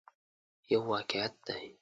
یو واقعیت دی.